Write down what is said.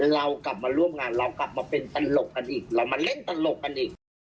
เรากลับมาร่วมงานเรากลับมาเป็นตลกกันอีกเรามาเล่นตลกกันอีก